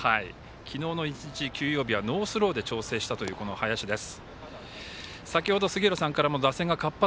昨日の１日、休養日はノースローで調整したという林です。